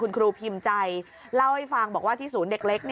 คุณครูพิมพ์ใจเล่าให้ฟังบอกว่าที่ศูนย์เด็กเล็ก